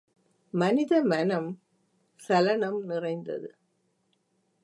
மனித மனம் சலனம் நிறைந்தது.